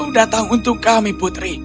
datang untuk kami putri